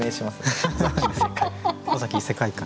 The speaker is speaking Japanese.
尾崎異世界観。